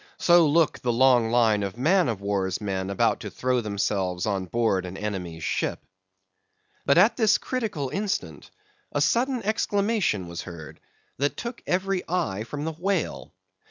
So look the long line of man of war's men about to throw themselves on board an enemy's ship. But at this critical instant a sudden exclamation was heard that took every eye from the whale.